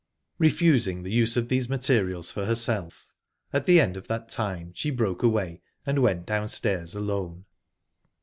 Refusing the use of these materials for herself, at the end of that time she broke away, and went downstairs alone.